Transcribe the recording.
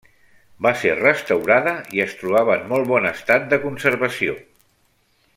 Va ser restaurada i es trobava en molt bon estat de conservació.